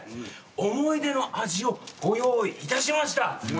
思い出の味をご用意いたしました。